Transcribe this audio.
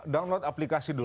download aplikasi dulu